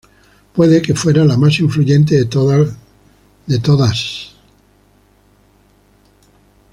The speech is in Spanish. Puede que fuera la más influyente de todas era la irlandesa.